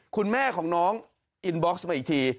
คุณแม่ของน้องอินบ็อกซ์มาอีกที